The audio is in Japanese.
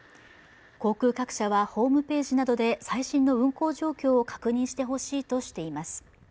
航空各社はホームページなどで最新の運航状況を確認してほしいとしています。